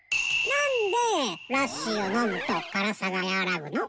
なんでーラッシーをのむと辛さがやわらぐの？